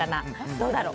どうだろう？